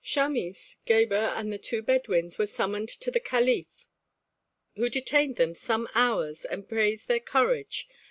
Chamis, Gebhr, and the two Bedouins were summoned to the caliph who detained them some hours and praised their courage.